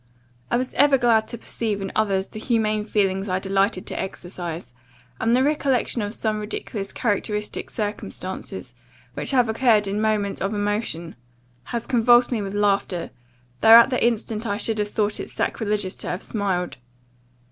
I was ever glad to perceive in others the humane feelings I delighted to exercise; and the recollection of some ridiculous characteristic circumstances, which have occurred in a moment of emotion, has convulsed me with laughter, though at the instant I should have thought it sacrilegious to have smiled.